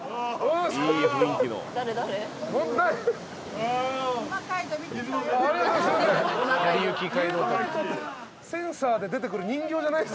ありがとうございます。